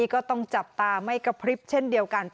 ก็ต้องจับตาไม่กระพริบเช่นเดียวกัน